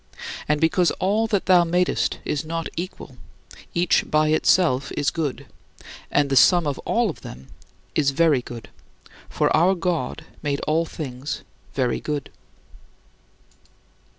And because all that thou madest is not equal, each by itself is good, and the sum of all of them is very good, for our God made all things very good.